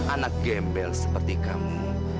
anak gembel seperti kamu